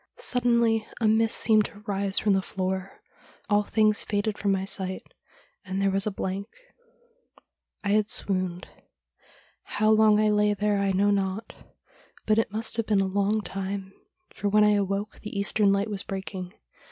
Suddenly a mist seemed to rise from the floor ; all things faded from my sight, and there was a blank — I had swooned. How long I lay there I know not ; but it must have been a long time, for when I awoke the eastern light was breaking.